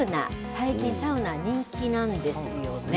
最近、サウナ人気なんですよね。